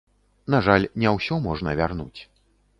На жаль, не ўсё можна вярнуць.